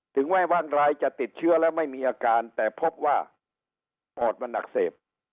แว้งรายจะติดเชื้อแล้วไม่มีอาการแต่พบว่าปอดมันอักเสบ